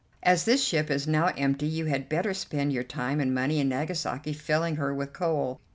As this ship is now empty you had better spend your time and money in Nagasaki filling her with coal.